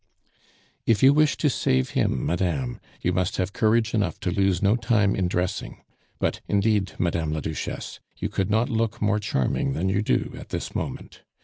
"If you wish to save him, madame, you must have courage enough to lose no time in dressing. But, indeed, Madame la Duchesse, you could not look more charming than you do at this moment.